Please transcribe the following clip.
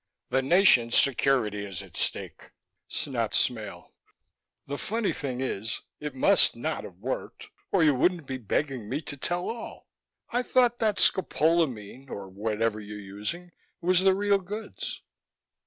"The nation's security is at stake," snapped Smale. "The funny thing is, it must not have worked, or you wouldn't be begging me to tell all. I thought that scopolamine or whatever you're using was the real goods."